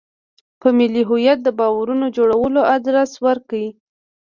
په ملي هویت د باورونو جوړولو ادرس ورکړي.